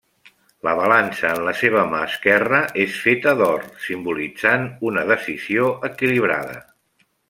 La balança en la seva mà esquerra és feta d'or, simbolitzant una decisió equilibrada.